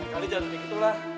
kalian jangan begitu lah